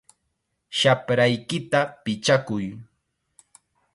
¡Shapraykita pichakuy!